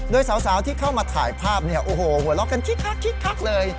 โดยสาวที่เข้ามาถ่ายภาพเนี่ยโอ้โหหัวเราะกันคิกคักเลย